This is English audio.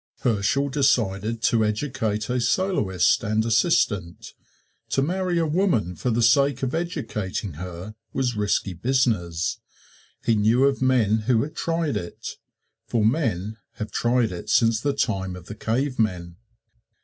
Herschel decided to educate a soloist and assistant. To marry a woman for the sake of educating her was risky business he knew of men who had tried it for men have tried it since the time of the Cavemen.